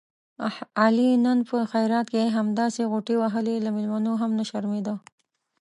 علي نن په خیرات کې همداسې غوټې وهلې، له مېلمنو هم نه شرمېدا.